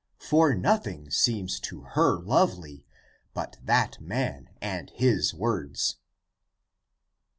For nothing seems to her lovely but that man and his words."